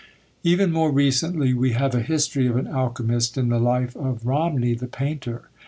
Even more recently we have a history of an alchymist in the life of Romney, the painter.